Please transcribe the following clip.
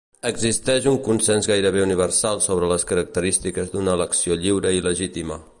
Existeix un consens gairebé universal sobre les característiques d'una elecció lliure i legítima.